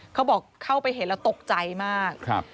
เขาบอกเข้าไปเห็นแล้วตกใจมาก